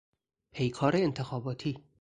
پیکار انتخاباتی